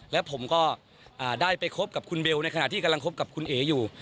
และผมก็ได้ไปคบกับคุณเบลในขณะที่กำลังคบกับคุณเอ๋อยู่